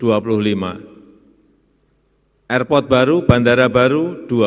airport baru bandara baru dua puluh lima